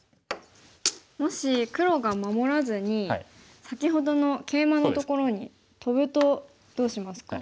もし黒が守らずに先ほどのケイマのところにトブとどうしますか？